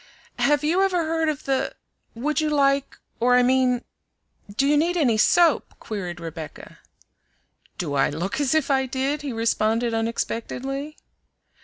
"Have you ever heard of the would you like, or I mean do you need any soap?" queried Rebecca. "Do I look as if I did?" he responded unexpectedly.